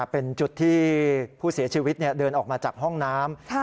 เป็นจุดที่ผู้เสียชีวิตเดินออกมาจากห้องน้ำ